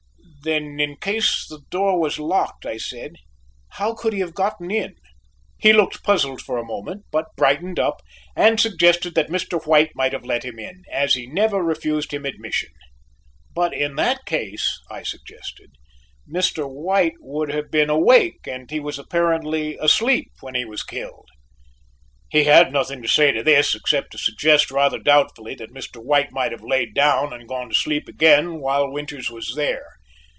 "Then in case the door was locked," I said, "how could he have gotten in?" He looked puzzled for a moment, but brightened up, and suggested that Mr. White might have let him in, as he never refused him admission. "But in that case," I suggested, "Mr. White would have been awake and he was apparently asleep when he was killed." He had nothing to say to this, except to suggest rather doubtfully that Mr. White might have laid down and gone to sleep again while Winters was there.